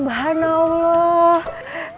kebetulan kan saya masih ngantuk